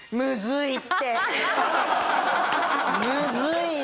むずいよ。